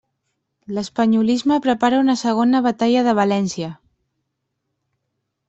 L'espanyolisme prepara una segona Batalla de València.